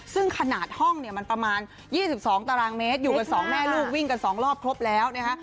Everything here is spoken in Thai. ซึ่งขนาดห้องเนี่ยมันประมาณ๒๒ตารางเมตรอยู่กันสองแม่ลูกวิ่งกัน๒รอบครบแล้วนะคะ